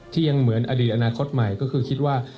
ยังเหมือนอดีตอนาคตใหม่ก็คือคิดว่า